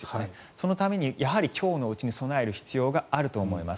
そのために今日のうちに備える必要があると思います。